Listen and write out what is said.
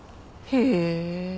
へえ。